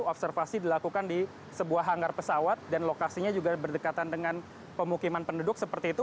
observasi dilakukan di sebuah hanggar pesawat dan lokasinya juga berdekatan dengan pemukiman penduduk seperti itu